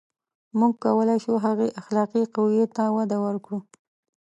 • موږ کولای شو، هغې اخلاقي قوې ته وده ورکړو.